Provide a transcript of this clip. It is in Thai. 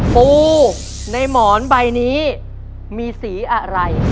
ปูในหมอนใบนี้มีสีอะไร